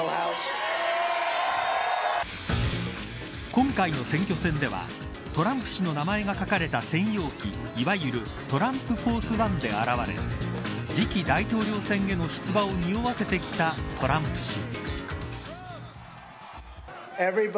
今回の選挙戦ではトランプ氏の名前が書かれた専用機いわゆるトランプフォース・ワンで現れ次期大統領選への出馬をにおわせてきたトランプ氏